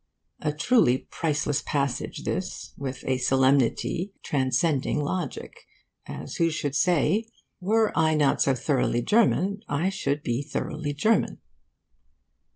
A truly priceless passage, this, with a solemnity transcending logic as who should say, 'Were I not so thoroughly German, I should be thoroughly German.